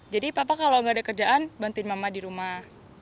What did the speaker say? jadi papa kalau gak ada kerjaan bantuin mama di rumah